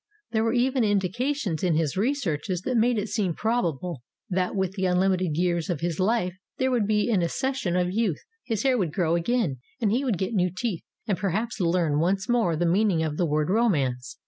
There were even in dications in his researches that made it seem prob able that with the unlimited years of his life there would be an accession of youth. His hair would grow again and he would get new teeth and perhaps learn once more the meaning of the word romance.